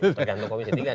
pergantung komisi tiga